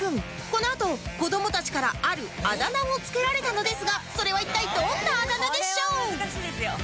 このあと子どもたちからあるあだ名を付けられたのですがそれは一体どんなあだ名でしょう？